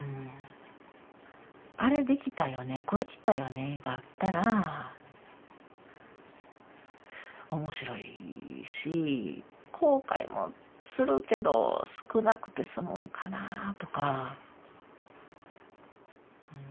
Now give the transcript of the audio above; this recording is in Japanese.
あれできたよね、これできたよねがあったら、おもしろいし、後悔もするけど、少なくて済むんかなぁとか。